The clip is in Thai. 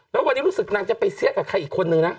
แล้ววันนี้รู้สึกนางจะไปเสี้ยกับใครอีกคนนึงนะ